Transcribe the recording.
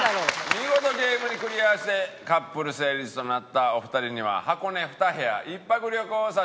見事ゲームにクリアしてカップル成立となったお二人には箱根２部屋１泊旅行を差し上げます。